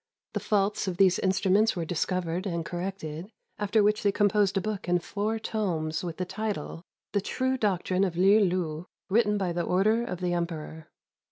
The faults of these instruments were discovered and corrected, after which they com posed a book in four tomes with the title, "The True Doctrine of Li lu, written by the Order of the Emperor."